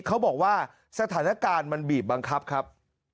เขาบอกว่าสถานการณ์มันบีบบังคับครับ